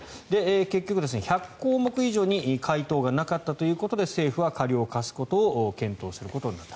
結局１００項目以上に回答がなかったということで政府は過料を科すことを検討することになった。